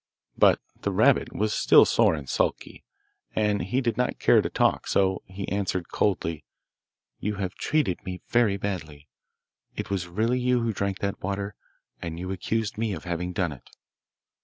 But the rabbit was still sore and sulky, and he did not care to talk, so he answered, coldly, 'You have treated me very badly. It was really you who drank that water, and you accused me of having done it.